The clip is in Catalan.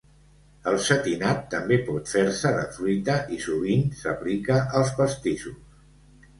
El setinat també pot fer-se de fruita i sovint s'aplica als pastissos.